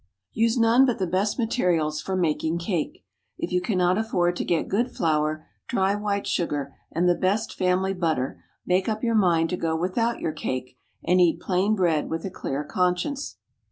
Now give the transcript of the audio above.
Use none but the best materials for making cake. If you cannot afford to get good flour, dry white sugar, and the best family butter, make up your mind to go without your cake, and eat plain bread with a clear conscience.